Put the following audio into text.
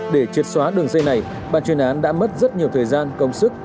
để triệt xóa đường dây này bàn chuyên án đã mất rất nhiều thời gian công sức